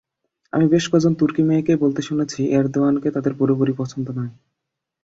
আমি বেশ কজন তুর্কি মেয়েকেই বলতে শুনেছি, এরদোয়ানকে তাদের পুরোপুরি পছন্দ নয়।